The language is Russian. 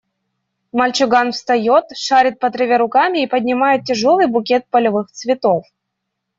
Мальчуган встает, шарит по траве руками и поднимает тяжелый букет полевых цветов.